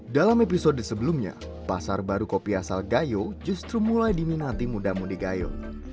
dalam episode sebelumnya pasar baru kopi asal gayo justru mulai diminati muda mudi gayo